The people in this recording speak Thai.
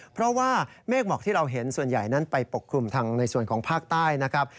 เพราะว่าเมฆหมอกที่เราเห็นส่วนใหญ่นั้นไปปกคลุมทางในส่วนของภาคใต้นะครับ